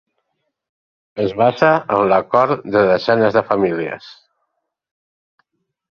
Es basa en l'acord de desenes de famílies.